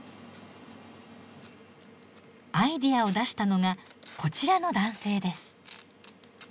アイデアを出したのがこちらの男性です。